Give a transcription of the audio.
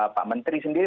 pak menteri sendiri